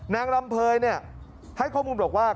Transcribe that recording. นางรำเภยให้ข้อมูลบอกว่า